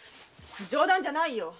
冗談じゃないよ。